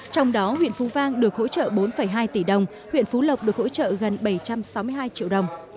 trong đó huyện phú vang được hỗ trợ bốn hai tỷ đồng huyện phú lộc được hỗ trợ gần bảy trăm sáu mươi hai triệu đồng